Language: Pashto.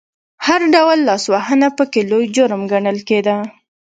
هر ډول لاسوهنه پکې لوی جرم ګڼل کېده.